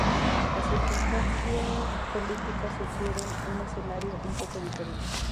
Las circunstancias políticas sugieren un escenario un poco diferente.